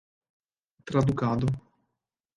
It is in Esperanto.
tradukado